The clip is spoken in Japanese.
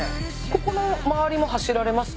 ここの周りも走られます？